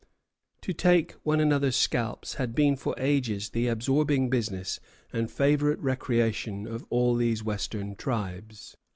To take one another's scalps had been for ages the absorbing business and favorite recreation of all these Western tribes.